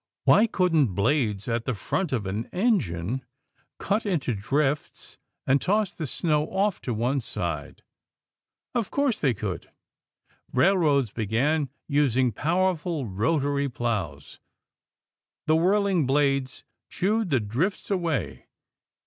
Why couldn't blades at the front of an engine cut into drifts and toss the snow off to one side? Of course they could. Railroads began using powerful rotary plows. The whirling blades chewed the drifts away.